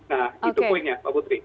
nah itu poinnya mbak putri